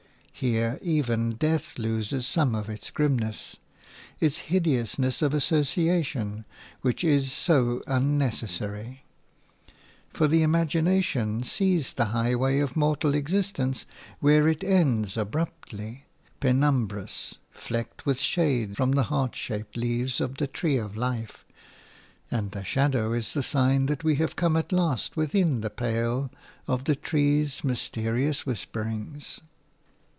Here, even death loses some of its grimness – its hideousness of association, which is so unnecessary. For the imagination sees the highway of mortal existence where it ends abruptly, penumbrous, flecked with shade from the heart shaped leaves of the Tree of Life: and the shadow is the sign that we have come at last within the pale of the tree's mysterious whisperings.